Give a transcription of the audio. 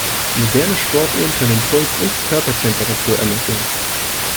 Moderne Sportuhren können den Puls und die Körpertemperatur ermitteln.